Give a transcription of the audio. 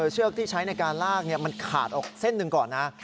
เชือกที่ใช้ในการลากมันขาดออกเส้นหนึ่งก่อนนะ